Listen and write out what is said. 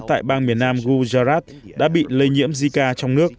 tại bang miền nam gujarat đã bị lây nhiễm jica trong nước